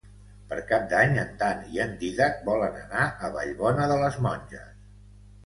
Per Cap d'Any en Dan i en Dídac volen anar a Vallbona de les Monges.